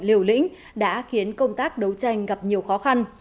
liều lĩnh đã khiến công tác đấu tranh gặp nhiều khó khăn